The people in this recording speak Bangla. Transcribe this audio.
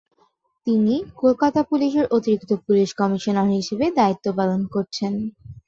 তিনি কলকাতা পুলিশের অতিরিক্ত পুলিশ কমিশনার হিসাবে দায়িত্ব পালন করছিলেন।